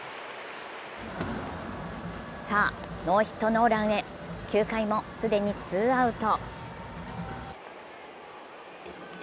さあ、ノーヒットノーランへ、９回も既にツーアウト。